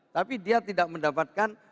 tapi dia tidak mendapatkan